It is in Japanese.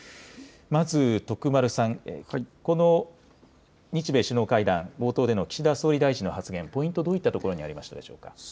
まず徳丸さん、この日米首脳会談、冒頭での岸田総理大臣の発言、ポイントどういったところにありましたでしょうか。